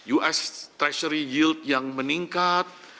us treasury yield yang meningkat